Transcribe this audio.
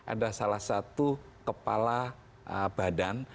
ada salah satu kepala badan